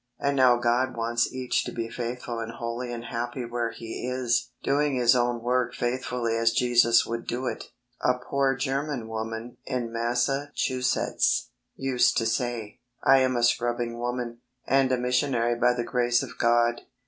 And now God wants each to be faithful and holy and happy where he is, doing his own work faithfully as Jesus would do it, A poor German woman in Massachusetts used to say, ' I'm a scrubbing woman and a missionary by the grace of God.